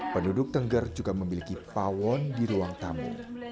penduduk tengger juga memiliki pawon di ruang tamu